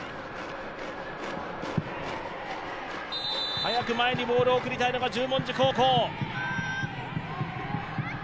早く前にボールを送りたいのが十文字高校。